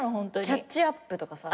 「キャッチアップ」とかさ。